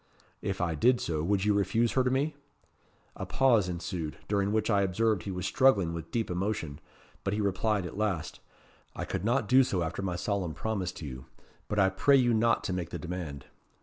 'If I did so, would you refuse her to me?' A pause ensued, during which I observed he was struggling with deep emotion, but he replied at last, 'I could not do so after my solemn promise to you; but I pray you not to make the demand.'